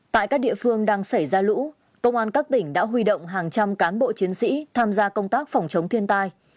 tại các địa phương đang xảy ra lũ công an các tỉnh đã huy động hàng trăm cán bộ chiến sĩ tham gia công tác phòng chống thiên tai